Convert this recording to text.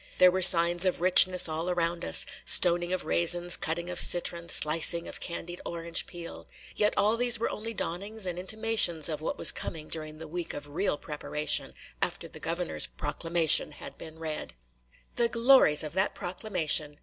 There were signs of richness all around us, – stoning of raisins, cutting of citron, slicing of candied orange peel. Yet all these were only dawnings and intimations of what was coming during the week of real preparation, after the Governor's proclamation had been read. The glories of that proclamation!